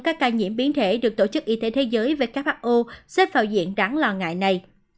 các ca nhiễm biến thể được tổ chức y tế thế giới who xếp vào diện đáng lo ngại này